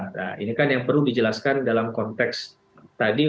nah ini kan yang perlu dijelaskan dalam konteks tadi